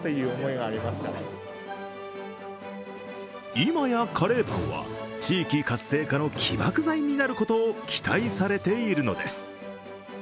今やカレーパンは地域活性化の起爆剤になることを期待されているのです。